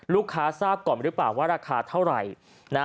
ลูกค้าทราบก่อนหรือเปล่าว่าราคาเท่าไหร่